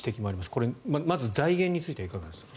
これ、まず財源についてはいかがですか？